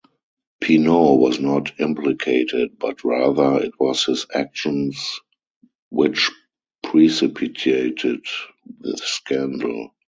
Pinault was not implicated, but rather it was his actions which precipitated the scandal.